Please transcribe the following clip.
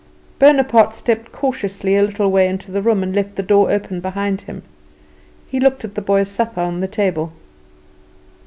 Bonaparte stepped cautiously a little way into the room, and left the door open behind him. He looked at the boy's supper on the table.